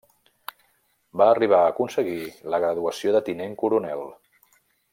Va arribar a aconseguir la graduació de tinent coronel.